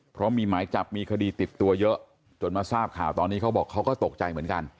เพราะมีหมายจับมีคดีติดตัวเยอะจนมาทราบข่าวตอนนี้เขาบอกเขาก็ตกใจเหมือนกัน